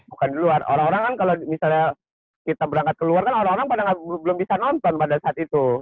orang orang kan kalau misalnya kita berangkat keluar kan orang orang pada belum bisa nonton pada saat itu